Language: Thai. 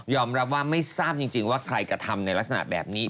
รับว่าไม่ทราบจริงว่าใครกระทำในลักษณะแบบนี้